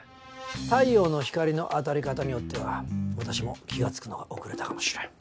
太陽の光の当たり方によっては私も気がつくのが遅れたかもしれん。